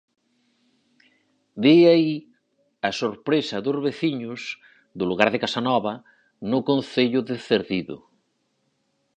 De aí a sorpresa dos veciños do lugar de Casanova, no concello de Cerdido.